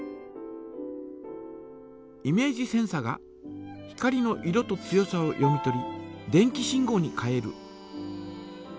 イメージセンサが光の色と強さを読み取り電気信号に変える。